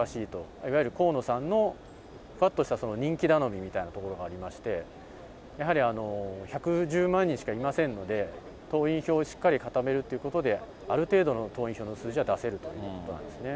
いわゆる、河野さんのふわっとした人気頼みみたいなところがありまして、やはり１１０万人しかいませんので、党員票をしっかり固めるということで、ある程度の党員票の数字は出せるということだったんですね。